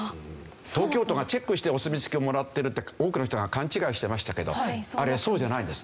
東京都がチェックしてお墨付きをもらってるって多くの人が勘違いしてましたけどあれそうじゃないんです。